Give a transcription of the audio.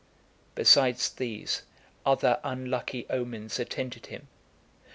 Besides these, other unlucky omens attended him.